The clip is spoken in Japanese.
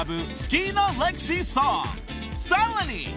［さらに］